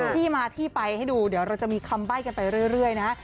ที่มาที่ไปให้ดูเดี๋ยวเราจะมีคำใบ้กันไปเรื่อยนะ